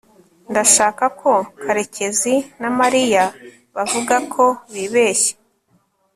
ndashaka ko karekezi na mariya bavuga ko bibeshye